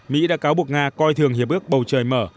mỹ đã cáo buộc nga coi thường hiệp ước bầu trời mở